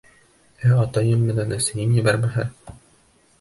— Ә атайым менән әсәйем ебәрмәһә?